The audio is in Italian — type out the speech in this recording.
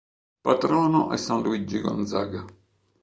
Patrono è San Luigi Gonzaga.